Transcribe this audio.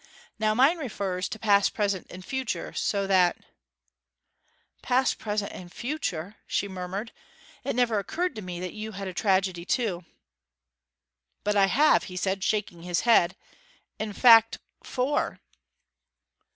Now mine refers to past, present, and future; so that ' 'Past, present, and future!' she murmured. 'It never occurred to me that you had a tragedy too.' 'But I have!' he said, shaking his head. 'In fact, four.'